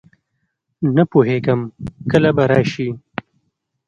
نه پوهېږم کله به راشي.